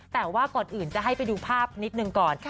แต่ว่าก่อนอื่นจะให้ไปดูภาพนิดหนึ่งก่อน